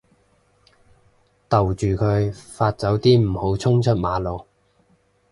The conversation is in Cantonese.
逗住佢發酒癲唔好衝出馬路